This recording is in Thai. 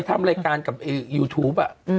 ทำรายการกับยูทูป